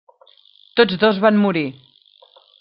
Tots dos van morir.